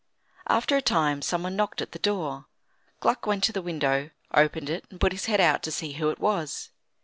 After a time some one knocked at the door. Gluck went to the window, opened it, and put his head out to see who it was.